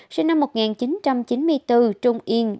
sinh năm một nghìn chín trăm chín mươi bốn trung yên